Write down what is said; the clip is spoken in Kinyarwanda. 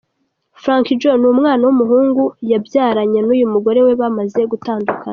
Frankie Joe n’umwana w’umuhungu yabyaranye n’uyu mugore we bamaze gutandukana.